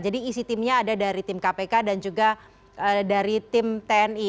jadi isi timnya ada dari tim kpk dan juga dari tim tni